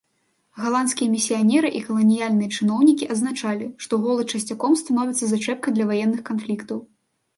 Галандскія місіянеры і каланіяльныя чыноўнікі адзначалі, што голад часцяком становіцца зачэпкай для ваенных канфліктаў.